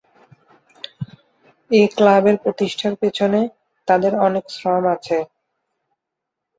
এ ক্লাবের প্রতিষ্ঠার পেছনে তাঁদের অনেক শ্রম আছে।